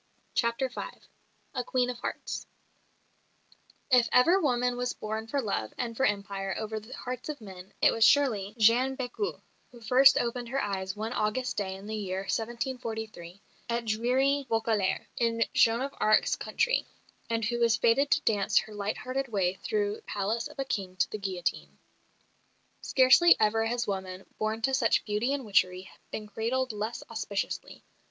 CHAPTER V A QUEEN OF HEARTS If ever woman was born for love and for empire over the hearts of men it was surely Jeanne Bécu, who first opened her eyes one August day in the year 1743, at dreary Vaucouleurs, in Joan of Arc's country, and who was fated to dance her light hearted way through the palace of a King to the guillotine. Scarcely ever has woman, born to such beauty and witchery, been cradled less auspiciously.